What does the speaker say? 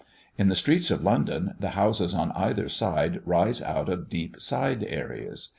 In the streets of London the houses on either side rise out of deep side areas.